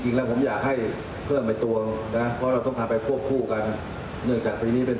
แนะนำมาจากพรบุคคลทั้งสิ้น